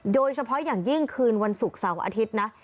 โดยเฉพาะอย่างยิ่งคืนวันศุกร์เสาร์อาทิตย์นะ